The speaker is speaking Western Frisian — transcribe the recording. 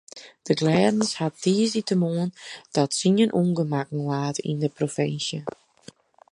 De glêdens hat tiissdeitemoarn ta tsien ûngemakken laat yn de provinsje.